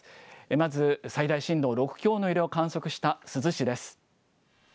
まず最大震度６強の揺れを観測した珠洲市です。